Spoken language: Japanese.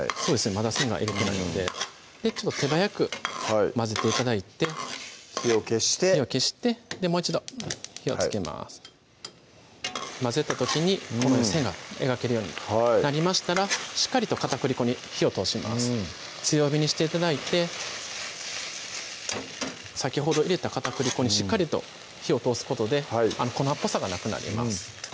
まだ線が描けないのでちょっと手早く混ぜて頂いて火を消して火を消してもう一度火をつけます混ぜた時にこのように線が描けるようになりましたらしっかりと片栗粉に火を通しますうん強火にして頂いて先ほど入れた片栗粉にしっかりと火を通すことで粉っぽさがなくなります